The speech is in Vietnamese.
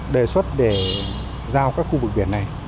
đề xuất để giao các khu vực biển này